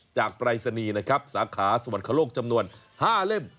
ปรายศนีย์นะครับสาขาสวรรคโลกจำนวน๕เล่ม